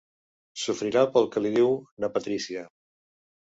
Sofrirà pel que li diu na Patrícia.